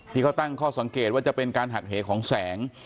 ที่เขาตั้งข้อสังเกตว่าจะเป็นการหักเหของแสง